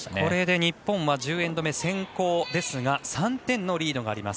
これで日本は１０エンド目先攻ですが３点のリード。